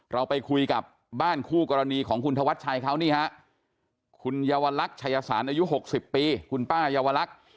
เราไปคุยกับบ้านคู่กรณีของคุณธวัชชัยเขานี่ฮะคุณเยาวลักษณ์ชายสารอายุ๖๐ปีคุณป้ายาวลักษณ์